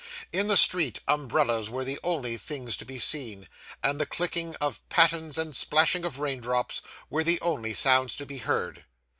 In the street, umbrellas were the only things to be seen, and the clicking of pattens and splashing of rain drops were the only sounds to be heard.